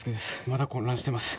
まだ混乱してます。